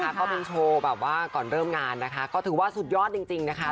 ก็เป็นโชว์แบบว่าก่อนเริ่มงานนะคะก็ถือว่าสุดยอดจริงนะคะ